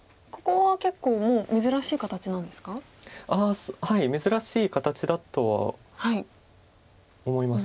はい珍しい形だとは思います。